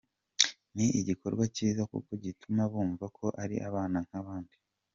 Ni igikorwa cyiza kuko gituma bumva ko ari abana nk’abandi.